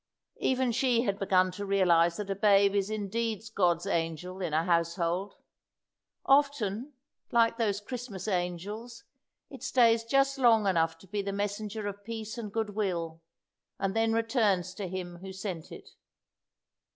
'" Even she had begun to realize that a babe is indeed God's angel in a household. Often, like those Christmas angels, it stays just long enough to be the messenger of peace and good will, and then returns to Him who sent it.